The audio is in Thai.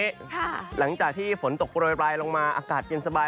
หลังจากที่ฝนตกโรยปลายลงมาอากาศเย็นสบาย